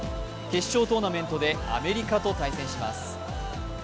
決勝トーナメントでアメリカと対戦します。